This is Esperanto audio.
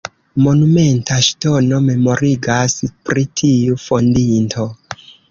Monumenta ŝtono memorigas pri tiu fondinto.